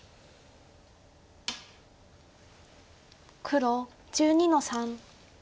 黒１２の三。